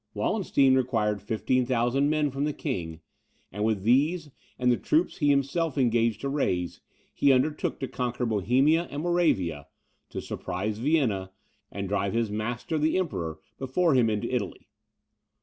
Wallenstein required 15,000 men from the king; and with these, and the troops he himself engaged to raise, he undertook to conquer Bohemia and Moravia, to surprise Vienna, and drive his master, the Emperor, before him into Italy.